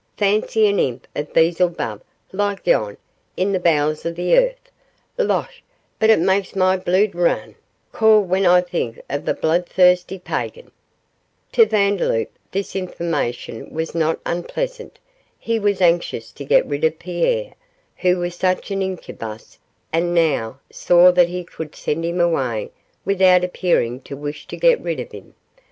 'Fancy an imp of Beelzebub like yon in the bowels o' the earth. Losh! but it macks my bluid rin cauld when I think o' the bluidthirsty pagan.' To Vandeloup, this information was not unpleasant. He was anxious to get rid of Pierre, who was such an incubus, and now saw that he could send him away without appearing to wish to get rid of him.